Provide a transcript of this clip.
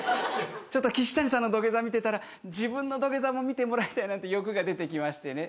ちょっとキシタニさんの土下座見てたら自分の土下座も見てもらいたいなんて欲が出てきましてね。